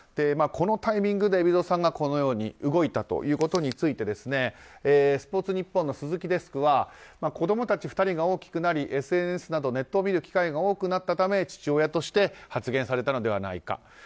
このタイミングで海老蔵さんがこのように動いたということについてスポーツニッポンの鈴木デスクは子供たち２人が大きくなりＳＮＳなどネットを見る機会が多くなったため、父親として発言されたのではないか。